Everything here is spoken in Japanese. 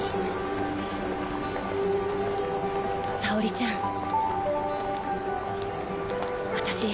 沙織ちゃん